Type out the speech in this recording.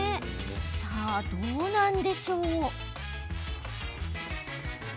さあ、どうなんでしょう？